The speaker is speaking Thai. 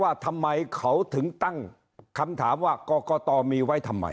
ว่าทำไมเขาถึงตั้งคำถามว่ากรกตมีไว้ทำไม